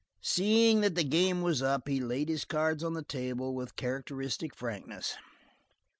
Seeing that the game was up, he laid his cards on the table with characteristic frankness.